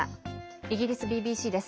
イギリスＢＢＣです。